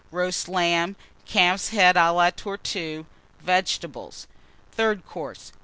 Roast Lamb. Calf's Head à la Tortue. Vegetables. THIRD COURSE.